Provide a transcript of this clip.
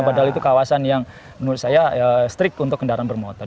padahal itu kawasan yang menurut saya strict untuk kendaraan bermotor